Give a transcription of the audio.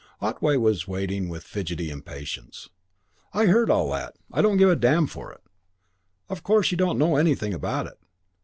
Otway was waiting with fidgety impatience. "I've heard all that. I don't give a damn for it. Of course you don't know anything about it.